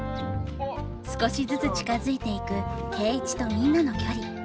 少しずつ近づいていく圭一とみんなの距離。